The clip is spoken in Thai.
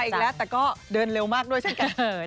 อีกแล้วแต่ก็เดินเร็วมากด้วยเช่นกัน